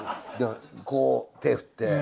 こう手振って。